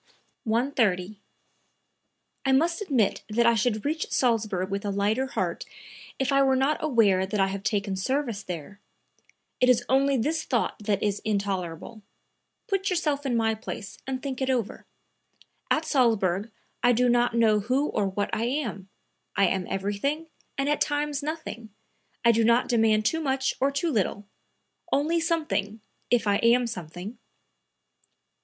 130. "I must admit that I should reach Salzburg with a lighter heart if I were not aware that I have taken service there; it is only this thought that is intolerable. Put yourself in my place and think it over. At Salzburg I do not know who or what I am; I am everything and at times nothing. I do not demand too much or too little; only something, if I am something."